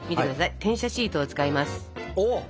転写シートを使います。